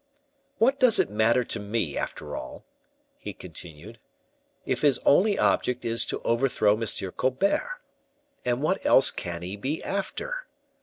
"What does it matter to me, after all," he continued, "if his only object is to overthrow M. Colbert? And what else can he be after?"